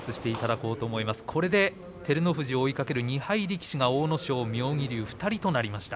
これで照ノ富士を追いかける２敗力士は阿武咲と妙義龍の２人となりました。